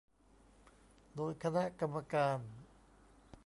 โดยคณะกรรมการ